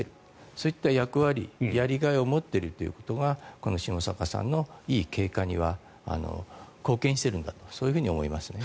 そういった役割、やりがいを持っているということがこの下坂さんのいい経過には貢献しているんだと思いますね。